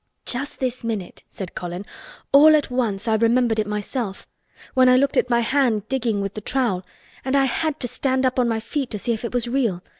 "Just this minute," said Colin, "all at once I remembered it myself—when I looked at my hand digging with the trowel—and I had to stand up on my feet to see if it was real.